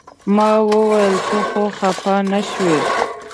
ما ویل ته خو خپه نه شوې.